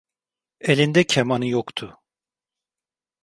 Elinde kemanı yoktu.